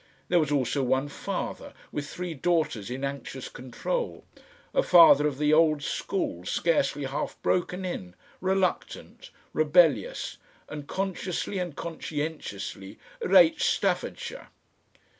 There was also one father with three daughters in anxious control, a father of the old school scarcely half broken in, reluctant, rebellious and consciously and conscientiously "reet Staffordshire."